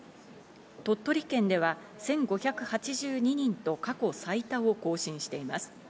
鳥取県では１５８２人と過去最多を更新しています。